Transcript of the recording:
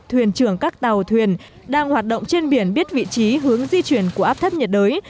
thuyền trưởng các tàu thuyền đang hoạt động trên biển biết vị trí hướng di chuyển của áp thấp nhiệt đới